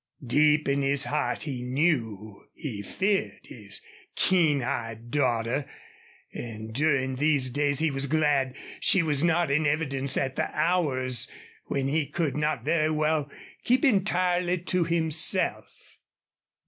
Deep in his heart he knew he feared his keen eyed daughter, and during these days he was glad she was not in evidence at the hours when he could not very well keep entirely to himself.